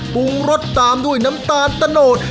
ปรุงรสตามด้วยน้ำตาลตะโนด